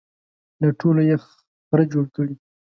له ټولو یې خره جوړ کړي.